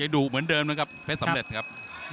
ดุเหมือนเดิมนะครับเพชรสำเร็จครับ